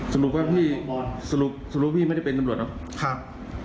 สรุปว่าพี่สรุปพี่ไม่ได้เป็นตำรวจหรอกครับ